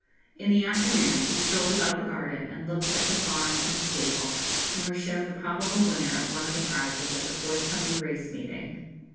In the afternoon we strolled about the garden, and looked at the farm and stable, and were shown the probable winner of one of the prizes at the forthcoming race meeting.